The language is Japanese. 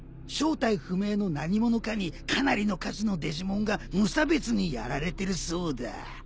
正体不明の何者かにかなりの数のデジモンが無差別にやられてるそうだ。